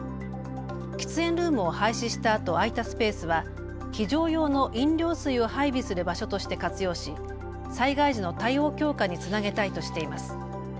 喫煙ルームを廃止したあと空いたスペースは非常用の飲料水を配備する場所として活用し災害時の対応強化につなげたいとしています。